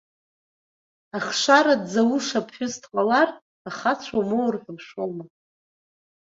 Ахшара дзауша аԥҳәыс дҟалар, ахацәа умоур ҳәа ушәома.